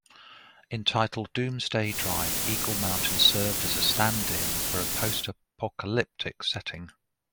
Entitled 'Doomsday Drive,' Eagle Mountain served as a stand-in for a post-apocalyptic setting.